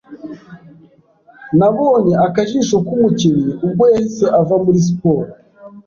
Nabonye akajisho k'umukinnyi ubwo yahise ava muri siporo.